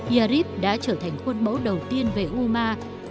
yarib đã trở thành khuôn mẫu đầu tiên về umar mà những người kế vị giáo